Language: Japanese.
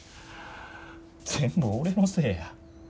全部俺のせいや。